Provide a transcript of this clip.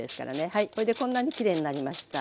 はいそれでこんなにきれいになりました。